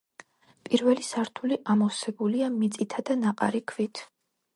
პირველი სართული ამოვსებულია მიწითა და ნაყარი ქვით.